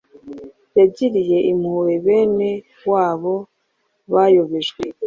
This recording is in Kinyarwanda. yagiriye impuhwe bene wabo bayobejwe.